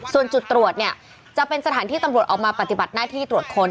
ส่วนจุดตรวจเนี่ยจะเป็นสถานที่ตำรวจออกมาปฏิบัติหน้าที่ตรวจค้น